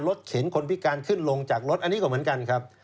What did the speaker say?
เข็นคนพิการขึ้นลงจากรถอันนี้ก็เหมือนกันครับ